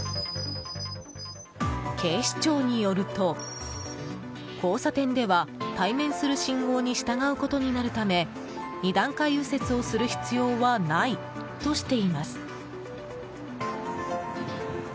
警視庁によると、交差点では対面する信号に従うことになるため二段階右折をする必要はないとしています。